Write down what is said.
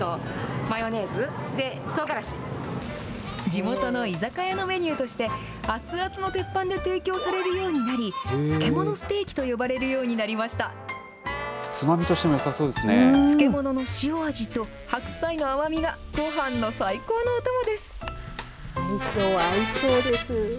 地元の居酒屋のメニューとして、熱々の鉄板で提供されるようになり、漬物ステーキと呼ばれるようつまみとしてもよさそうです漬物の塩味と白菜の甘みが、ごはんの最高のお供です。